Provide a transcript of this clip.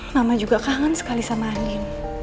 mama juga kangen sekali sama angin